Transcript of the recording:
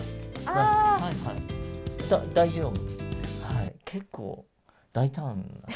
大丈夫。